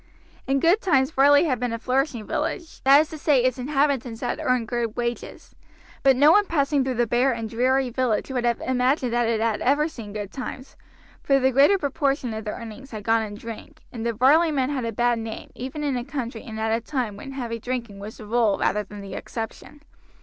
In good times Varley had been a flourishing village, that is to say its inhabitants had earned good wages; but no one passing through the bare and dreary village would have imagined that it had ever seen good days, for the greater proportion of the earnings had gone in drink, and the Varley men had a bad name even in a country and at a time when heavy drinking was the rule rather than the exception.